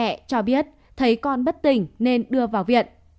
bác sĩ trần liên hương cho biết thấy con bất tỉnh nên đưa vào viện